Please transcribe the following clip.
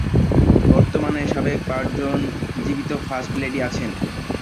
বর্তমানে সাবেক পাঁচজন জীবিত ফার্স্ট লেডি আছেন।